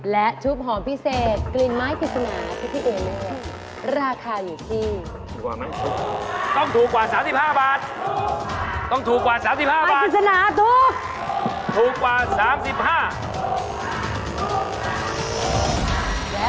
และทุบหอมพิเศษกลิ่นไม้พิจารณาของพี่เอเมย์